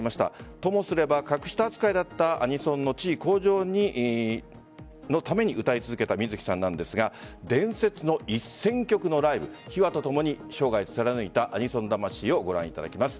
ともすれば格下扱いだったアニソンの地位向上のために歌い続けた水木さんなんですが伝説の１０００曲のライブ秘話とともに生涯貫いたアニソン魂をご覧いただきます。